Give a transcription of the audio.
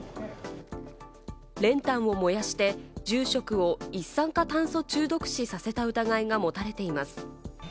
練炭を燃やして住職を一酸化炭素中毒死させた疑いが持たれています。